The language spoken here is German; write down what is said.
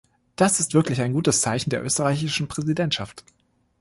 Das ist wirklich ein gutes Zeichen der österreichischen Präsidentschaft.